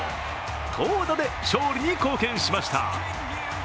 投打で勝利に貢献しました。